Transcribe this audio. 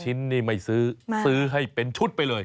ชิ้นนี่ไม่ซื้อซื้อให้เป็นชุดไปเลย